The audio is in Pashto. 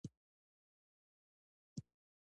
د ونډه ایز یا سهامي شرکتونو په اړه پوهېږو